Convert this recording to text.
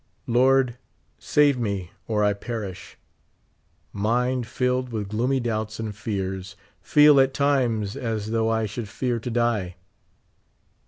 Lord, save me, or I perish. Mind filled with gloomy doubts and fears ; feel at times as though I should fear to die.